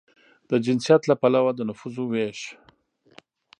د جنسیت له پلوه د نفوسو وېش